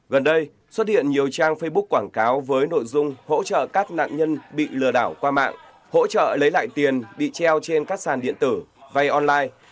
gần đây xuất hiện nhiều trang facebook quảng cáo với nội dung hỗ trợ các nạn nhân bị lừa đảo qua mạng hỗ trợ lấy lại tiền bị treo trên các sàn điện tử vay online